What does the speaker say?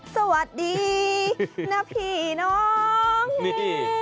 สวัสดีนะพี่น้องนี่